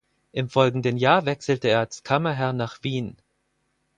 Im folgenden Jahr wechselte er als Kammerherr nach Wien.